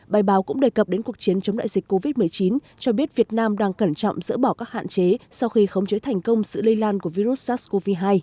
bài báo cũng đề cập đến cuộc chiến chống đại dịch covid một mươi chín cho biết việt nam đang cẩn trọng dỡ bỏ các hạn chế sau khi khống chế thành công sự lây lan của virus sars cov hai